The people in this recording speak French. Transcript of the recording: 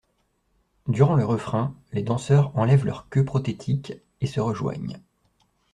Durant le refrain, les danseurs enlèvent leur queue prothétique et se rejoignent.